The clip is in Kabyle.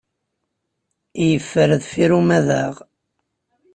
Yeffer deffir umadaɣ.